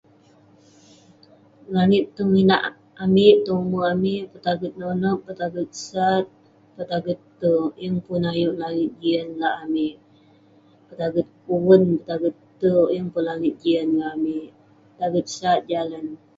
Langit tong inak amik, tong umerk amik. petaget nonep, petaget sat, petaget terk. yeng pun ayuk langit jian lak amik. petaget uven, petaget terk. yeng pun langit jian ngan amik. petaget sat jalan.